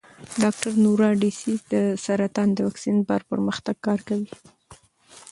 ډاکټر نورا ډسیس د سرطان د واکسین پر پرمختګ کار کوي.